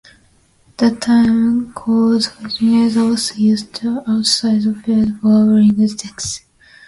The term "code-switching" is also used outside the field of linguistics.